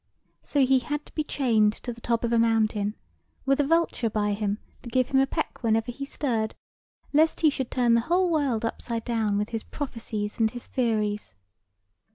So he had to be chained to the top of a mountain, with a vulture by him to give him a peck whenever he stirred, lest he should turn the whole world upside down with his prophecies and his theories.